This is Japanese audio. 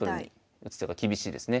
打つ手が厳しいですね。